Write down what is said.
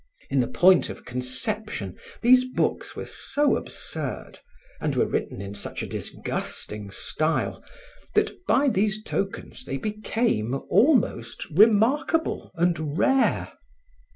In the point of conception, these books were so absurd, and were written in such a disgusting style, that by these tokens they became almost remarkable and rare.